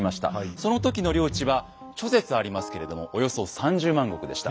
その時の領地は諸説ありますけれどもおよそ３０万石でした。